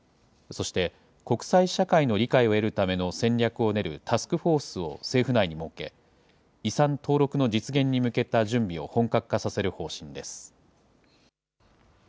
そして、国際社会の理解を得るための戦略を練るタスクフォースを政府内に設け、遺産登録の実現に向けた準備を本格化させる方針です。